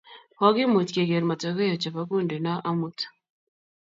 kokimuch keker matokeo chebo kundi noo amut